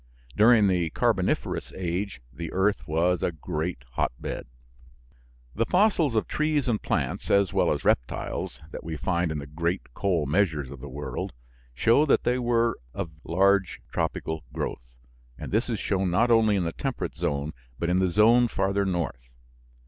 During the carboniferous age the earth was a great hotbed. The fossils of trees and plants, as well as reptiles, that we find in the great coal measures of the world, show that they were of large tropical growth, and this is shown not only in the temperate zone, but in the zone farther north.